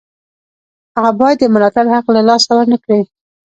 هغه باید د ملاتړ حق له لاسه ورنکړي.